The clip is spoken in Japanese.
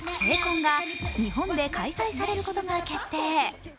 ＫＣＯＮが日本で開催されることが決定。